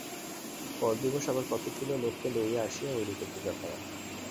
পরদিবস আবার কতকগুলি লোককে লইয়া আসিয়া ঐরূপে পূজা করা।